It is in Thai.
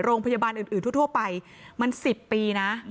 โรงพยาบาลอื่นทั่วไปมัน๑๐ปีนะ